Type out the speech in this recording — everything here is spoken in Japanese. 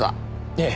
ええ。